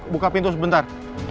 buka pintu sebentar